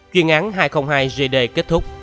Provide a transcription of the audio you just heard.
chuyên án hai trăm linh hai gd kết thúc